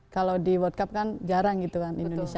kalau di world cup kan jarang gitu kan indonesia